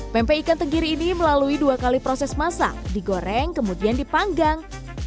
pempek ikan tenggiri ini melalui dua kali proses masak digoreng kemudian dipanggang